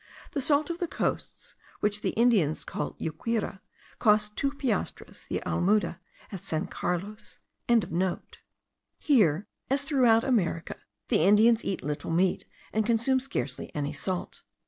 The salt of the coasts, which the Indians call yuquira, costs two piastres the almuda at San Carlos.) Here, as throughout America, the Indians eat little meat, and consume scarcely any salt.